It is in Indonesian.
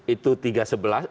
itu tiga sebelah